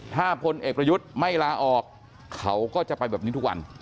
ถ้าพลเอกประยุทธ์ไม่ลาออกเขาก็จะไปแบบนี้ทุกวัน